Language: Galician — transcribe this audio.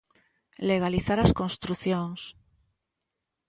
Legalizar as construcións.